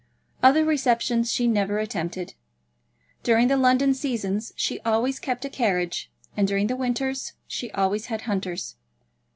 Other receptions she never attempted. During the London seasons she always kept a carriage, and during the winters she always had hunters.